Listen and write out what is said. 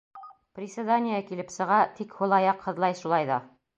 «Приседание килеп сыға, тик һул аяҡ һыҙлай шулай ҙа».